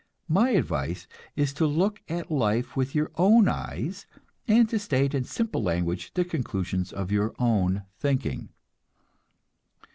My advice is to look at life with your own eyes, and to state in simple language the conclusions of your own thinking.